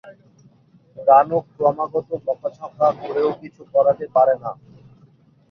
রানু ক্রমাগত বকঝকা করেও কিছু করাতে পারে না।